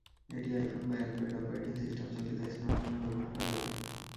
এটি আইফোন বা Android operating system চালিত স্মার্টফোনে ব্যবহার করা যাবে।